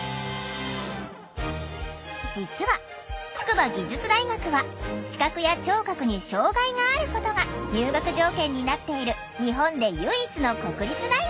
実は筑波技術大学は「視覚や聴覚に障害があること」が入学条件になっている日本で唯一の国立大学。